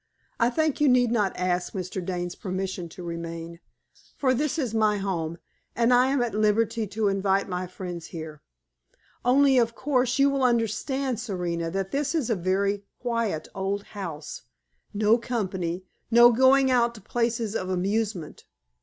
I think you need not ask Mr. Dane's permission to remain, for this is my home, and I am at liberty to invite my friends here. Only, of course, you will understand, Serena, that this is a very quiet old house. No company, no going out to places of amusement.